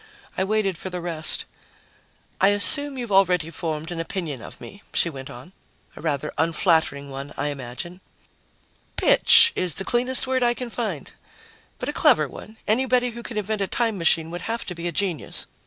I waited for the rest. "I assume you've already formed an opinion of me," she went on. "A rather unflattering one, I imagine." "'Bitch' is the cleanest word I can find. But a clever one. Anybody who can invent a time machine would have to be a genius."